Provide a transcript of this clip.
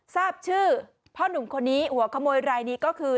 ทราบชื่อพ่อหนุ่มคนนี้หัวขโมยรายนี้ก็คือ